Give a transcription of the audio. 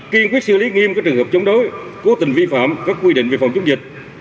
kiên quyết xử lý nghiêm các trường hợp chống đối cố tình vi phạm các quy định về phòng chống dịch